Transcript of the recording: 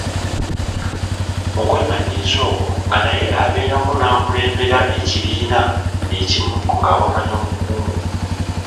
Mu kwemanyiiza okwo nga naye abeeramu n'akulembera ekibiina ekimu ng'awakanya omukungu.